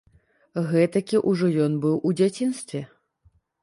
Гэтакі ўжо ён быў у дзяцінстве.